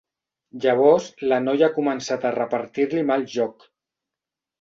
Llavors la noia ha començat a repartir-li mal joc.